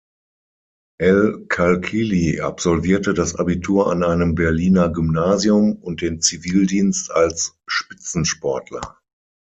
El-Qalqili absolvierte das Abitur an einem Berliner Gymnasium, und den Zivildienst als Spitzensportler.